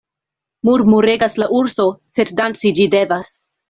Murmuregas la urso, sed danci ĝi devas.